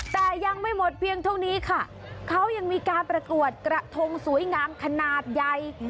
แต่ยังไม่หมดเพียงเท่านี้ค่ะเขายังมีการประกวดกระทงสวยงามขนาดใหญ่